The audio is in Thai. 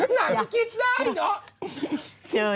หนักไม่คิดได้เหรอ